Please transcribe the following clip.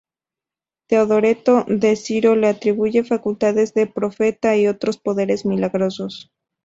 Teodoreto de Ciro le atribuye facultades de profeta y otros poderes milagrosos.